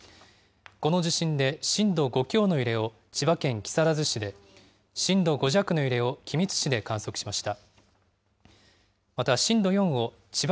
この地震で震度５強の揺れを千葉県木更津市で、震度５弱の揺れを君津市で観測しました。